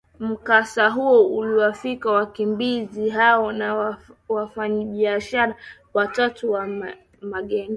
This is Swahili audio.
mkasa huo uliwafika wakimbizi hao na wafanyi biashara watatu wa magendo